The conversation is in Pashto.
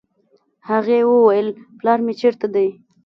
هغې وويل پلار مې چېرته دی.